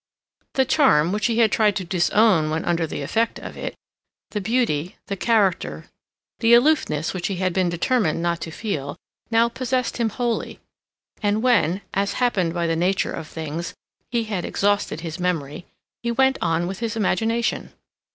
The charm, which he had tried to disown, when under the effect of it, the beauty, the character, the aloofness, which he had been determined not to feel, now possessed him wholly; and when, as happened by the nature of things, he had exhausted his memory, he went on with his imagination.